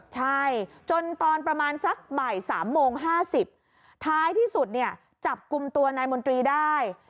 ใช่จนตอนประมาณสักบ่าย๓โมง๕๐ท้ายที่สุดเนี่ยจับกลุ่มตัวนายมนตรีได้